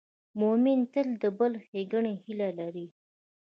مؤمن تل د بل د ښېګڼې هیله لري.